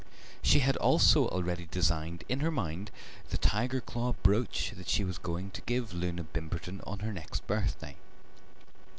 She had also already designed in her mind the tiger claw brooch that she was going to give Loona Bimberton on her next birthday.